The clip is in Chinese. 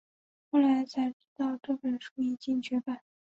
后来才知道这本书已经绝版